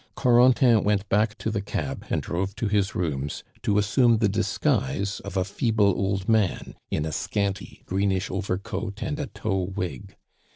Corentin went back to the cab, and drove to his rooms to assume the disguise of a feeble old man, in a scanty greenish overcoat and a tow wig.